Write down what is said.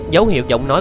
dấu hiệu giọng nói